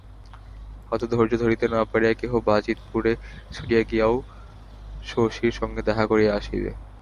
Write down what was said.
হয়তো ধৈর্য ধরিতে না পারিয়া কেহ বাজিতপুরে ছুটিয়া গিয়াও শশীর সঙ্গে দেখা করিয়া আসিবে।